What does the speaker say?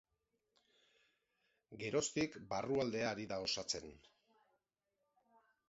Geroztik barrualdea ari da osatzen.